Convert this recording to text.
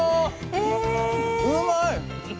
うまいッ！